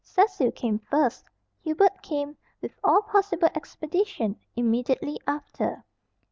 Cecil came first. Hubert came, with all possible expedition, immediately after.